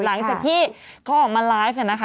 หลังจากที่เขาออกมาไลฟ์นะคะ